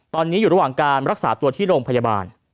ตอนนี้อยู่ระหว่างการรักษาตัวที่โรงพยาบาล